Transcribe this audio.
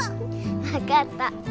わかった。